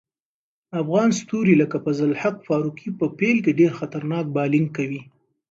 افغان ستوري لکه فضل الحق فاروقي په پیل کې ډېر خطرناک بالینګ کوي.